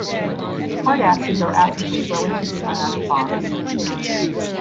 Hard acids are acids with relatively ionic bonds.